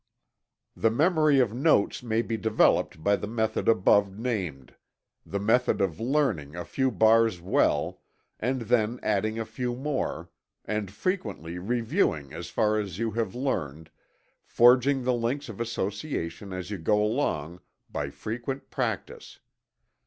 The memory of notes may be developed by the method above named the method of learning a few bars well, and then adding a few more, and frequently reviewing as far as you have learned, forging the links of association as you go along, by frequent practice.